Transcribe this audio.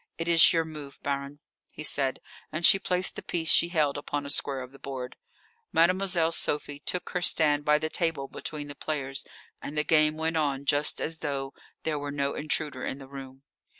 "It is your move, Baronne," he said, and she placed the piece she held upon a square of the board. Mademoiselle Sophie took her stand by the table between the players, and the game went on just as though there were no intruder in the room.